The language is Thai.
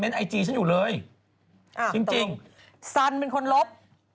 ซันอาล่วมแต่ผู้สมของไม่ได้ลบ